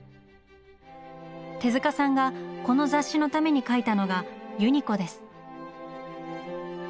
手さんがこの雑誌のために描いたのが「ユニコ」です。